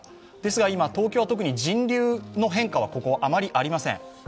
今東京は人流の変化はあまりありません。